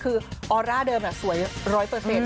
คือออราร์ล่ากรี่เดิม่ะสวย๑๐๐เปอร์เซ็นต์